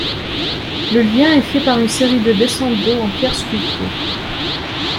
Le lien est fait par une série de descentes d'eau en pierre sculptée.